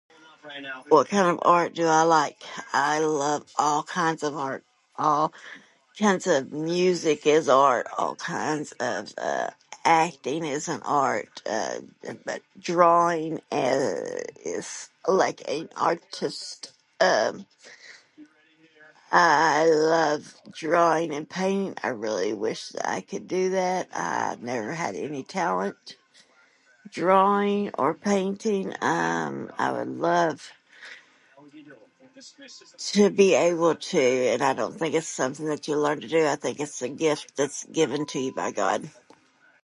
What kind of art do I like? I love all kinds of art. All kinds of music is art, all kinds of, uh, acting is an art. Uh, but drawing, eh, is like an artist, um. I love drawing and painting I really wish that I could do that. I've never really had any talent. Drawing or painting, uh, I would love to be able to and I don't think it's something that you learn to do, I think it's a gift given to you by God.